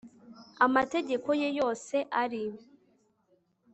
Amategekog ye yose ari